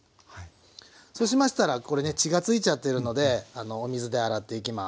そうしましたらこれね血がついちゃってるのでお水で洗っていきます。